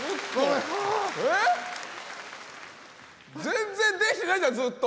全然できてないじゃんずっと。